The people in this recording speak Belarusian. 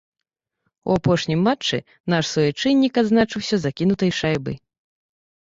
У апошнім матчы наш суайчыннік адзначыўся закінутай шайбай.